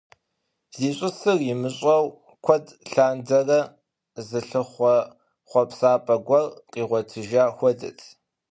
Зищӏысыр имыщӏэу куэд лъандэрэ зылъыхъуэ хъуэпсапӏэ гуэр къигъуэтыжа хуэдэт.